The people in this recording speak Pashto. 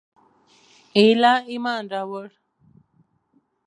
ایله ایمان راووړ.